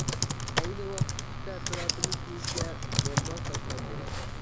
ئەينى ۋاقىتتىكى تەسىراتىمىز بويىچە ‹نورمال تاشلاندى› .